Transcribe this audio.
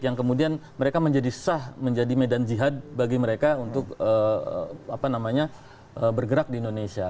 yang kemudian mereka menjadi sah menjadi medan jihad bagi mereka untuk bergerak di indonesia